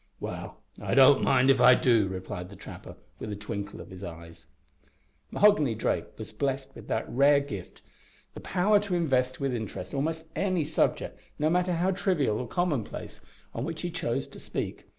"Well, I don't mind if I do," replied the trapper, with a twinkle of his eyes. Mahoghany Drake was blessed with that rare gift, the power to invest with interest almost any subject, no matter how trivial or commonplace, on which he chose to speak.